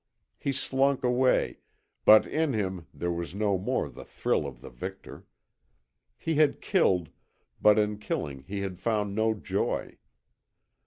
He slunk away, but in him there was no more the thrill of the victor. He had killed, but in killing he had found no joy.